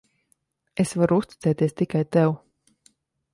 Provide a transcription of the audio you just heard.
Es varu uzticēties tikai tev.